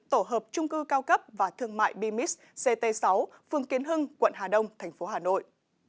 tổ hợp trung cư cao cấp và thương mại bimis ct sáu phương kiến hưng quận hà đông tp hà nội